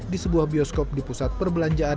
di sebuah bioskop di pusat perbelanjaan